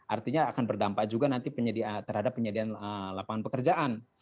artinya akan berdampak juga nanti terhadap penyediaan lapangan pekerjaan